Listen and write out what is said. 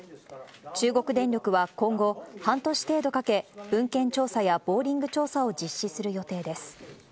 中国電力は今後、半年程度かけ、文献調査やボーリング調査を実施する予定です。